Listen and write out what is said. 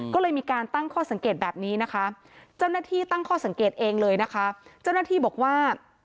ก็เลยมีการตั้งข้อสังเกตแบบนี้นะคะเจ้าหน้าที่ตั้งข้อสังเกตเองเลยนะคะเจ้าหน้าที่บอกว่า